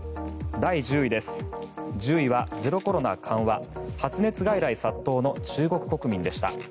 第１０位はゼロコロナ緩和発熱外来殺到の中国国民でした。